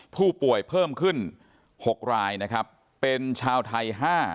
ผู้ป่วยเพิ่มขึ้น๖รายนะครับเป็นชาวไทย๕